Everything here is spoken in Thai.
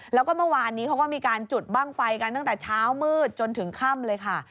แล้วก็เมื่อวานนี้เขาก็มีการจุดบ้างไฟกันตั้งแต่เช้ามืดจนถึงค่ำเลยค่ะ